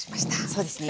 そうですね。